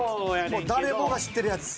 もう誰もが知ってるやつ。